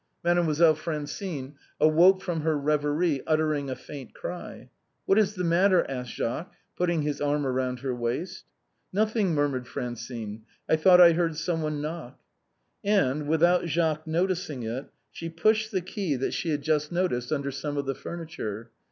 Mademoiselle Francine awoke from her reverie uttering a faint cry. " What is the matter ?" asked Jacques, putting his arm round her waist. " Nothing," murmured Francine. " I thought I heard someone knock." And, without Jacques noticing it, she pushed the key that she had just noticed under some of the furniture.